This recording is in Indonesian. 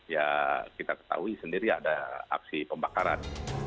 ya kita ketahui sendiri ada aksi pembakaran